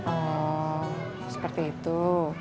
oh seperti itu